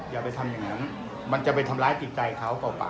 อย่าไปทำแบบนั้นมันก็ไปทำร้ายติดใจเขาก่อเกาะปาก